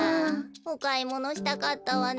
おかいものしたかったわね。